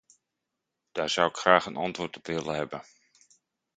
Daar zou ik graag een antwoord op willen hebben.